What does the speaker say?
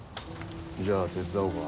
じゃあ手伝おうか？